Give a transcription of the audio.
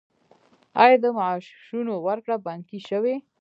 آیا د معاشونو ورکړه بانکي شوې؟